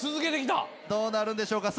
どうなるんでしょうか？